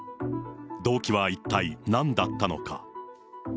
動機は一体何だったのか。